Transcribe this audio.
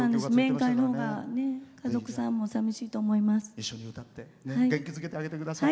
面会が家族さんもさみしいと思います。